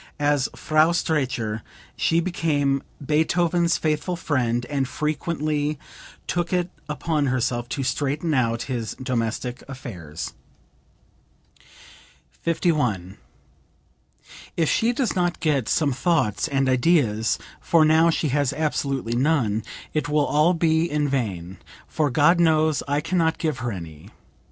As Frau Streicher she became Beethoven's faithful friend and frequently took it upon herself to straighten out his domestic affairs.) 51. "If she does not get some thoughts and ideas (for now she has absolutely none), it will all be in vain, for God knows, I can not give her any.